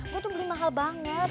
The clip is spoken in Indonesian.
gue tuh beli mahal banget